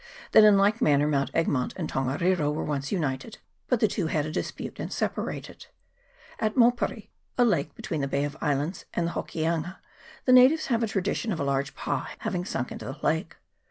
That in like man ner Mount Egmont and Tongariro were once united, but the two had a dispute, and separated. At Mau pere, a lake between the Bay of Islands and Hoki anga, the natives have a tradition of a large pa having sunk into the lake.